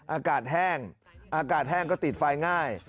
อากาศแห้งอากาศแห้งก็ติดไฟง่าย